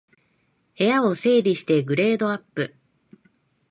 部屋を整理してグレードアップ